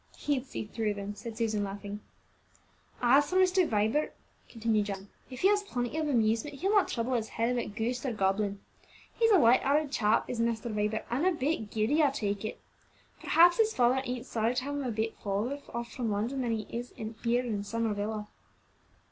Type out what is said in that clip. "He'd see through them," said Susan, laughing. "As for Master Vibert," continued John, "if he has plenty of amusement, he'll not trouble his head about ghost or goblin. He's a light hearted chap is Master Vibert, and a bit giddy, I take it. Perhaps his father ain't sorry to have him a bit further off from London than he is here in Summer Villa."